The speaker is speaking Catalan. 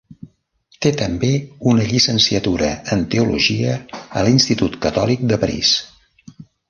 Té també una llicenciatura en teologia a l'Institut Catòlic de París.